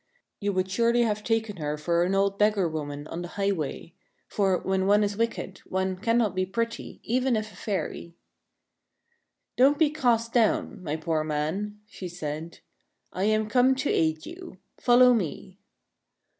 You would surely have taken her for an old beggar woman on the highway ; for, when one is wicked, one cannot be pretty, even if a fairy. " Don't be cast down, my poor man," she said. " I am come to aid you. Follow me."